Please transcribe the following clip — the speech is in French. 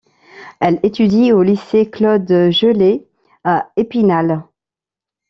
Elle étudie au lycée Claude Gellée à Épinal.